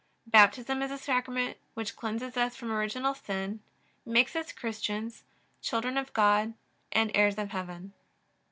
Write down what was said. Baptism is a Sacrament which cleanses us from original sin, makes us Christians, children of God, and heirs of heaven.